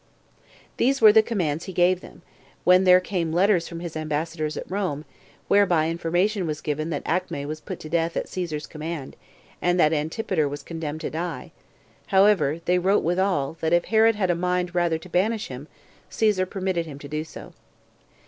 7. These were the commands he gave them; when there came letters from his ambassadors at Rome, whereby information was given that Acme was put to death at Caesar's command, and that Antipater was condemned to die; however, they wrote withal, that if Herod had a mind rather to banish him, Caesar permitted him so to do.